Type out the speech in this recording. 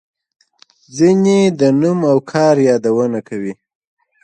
ځینې د نوم او کار یادونه کوي.